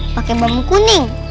pakai bambu kuning